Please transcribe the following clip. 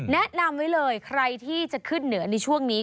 แนะนำไว้เลยใครที่จะขึ้นเหนือในช่วงนี้